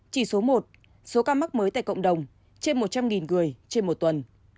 chỉ số một số ca mắc mới tại cộng đồng trên một trăm linh người trên một tuần